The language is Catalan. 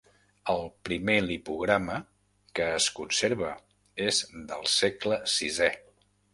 El primer lipograma que es conserva és del segle vi.